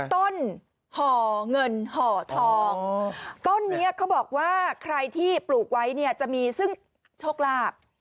ห่อเงินห่อทองต้นนี้เขาบอกว่าใครที่ปลูกไว้เนี่ยจะมีซึ่งโชคลาภ